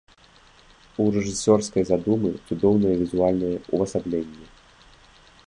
У рэжысёрскай задумы цудоўнае візуальнае ўвасабленне.